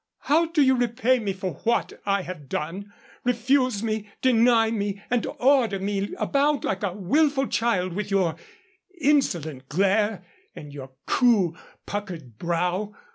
How do you repay me for what I have done? Refuse me, deny me, and order me about like a willful child with your insolent glare and your cool, puckered brow.